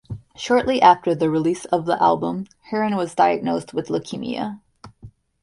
Shortly after the release of the album, Hearn was diagnosed with leukemia.